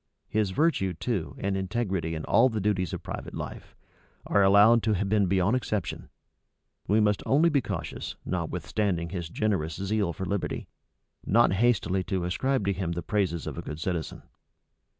His virtue, too, and integrity in all the duties of private life, are allowed to have been beyond exception: we must only be cautious, notwithstanding his generous zeal for liberty, not hastily to ascribe to him the praises of a good citizen.